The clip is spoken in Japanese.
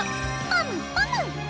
パムパム！